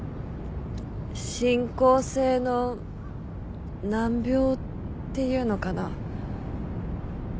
進行性の難病っていうのかな。